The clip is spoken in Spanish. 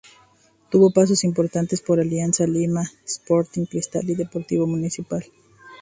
Tuvo pasos importantes por Alianza Lima, Sporting Cristal y Deportivo Municipal.